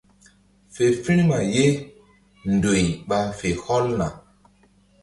Fe firma ye ndoy ɓa fe hɔlna.